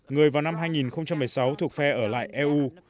người vào năm hai nghìn một mươi sáu thuộc phe ở lại eu